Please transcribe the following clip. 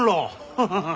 ハハハッ！